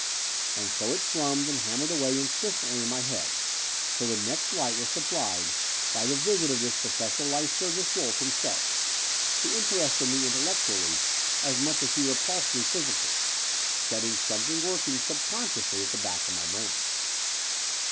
And so it thrummed and hammered away insistently in my head, till the next light was supplied by the visit of this Pra ia 194 The Door off the Unreal fessor Lycurgus Wolff himself, who interested me intellecttially as much as he repulsed me physically, setting something working subconsciously at the back of my brain.